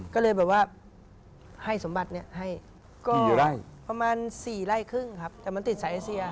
ก็เลยแบบว่าให้สมบัติเนี่ยให้ก็อยู่ไล่ประมาณ๔ไร่ครึ่งครับแต่มันติดสายเอเซีย